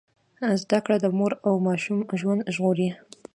زده کړه د مور او ماشوم ژوند ژغوري۔